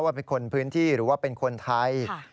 ว่าเป็นคนพื้นที่หรือว่าเป็นคนไทย